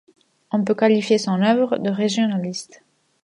On peut qualifier son œuvre de régionaliste.